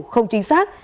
không chính xác